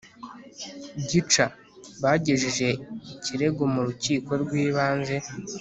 gica.bagejeje ikirego mu rukiko rw’ibanze